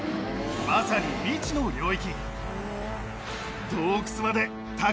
まさに未知の領域。